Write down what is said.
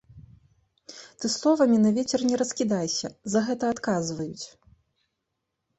Ты словамі на вецер не раскідайся, за гэта адказваюць.